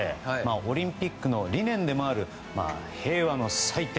オリンピックの理念でもある平和の祭典。